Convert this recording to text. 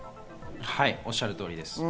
おっしゃる通りです。